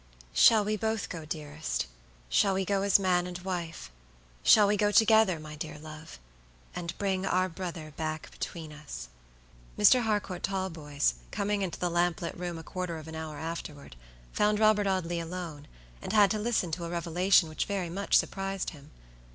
"Shall we both go, dearest? Shall we go as man and wife? Shall we go together, my dear love, and bring our brother back between us?" Mr. Harcourt Talboys, coming into the lamplit room a quarter of an hour afterward, found Robert Audley alone, and had to listen to a revelation which very much surprised him.